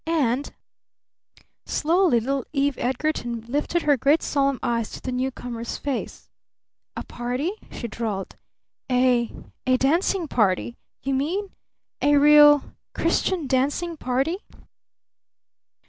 And " Slowly little Eve Edgarton lifted her great solemn eyes to the newcomer's face. "A party?" she drawled. "A a dancing party you mean? A real Christian dancing party?"